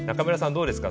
どうですか？